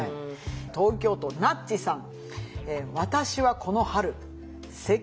東京都なっちさん。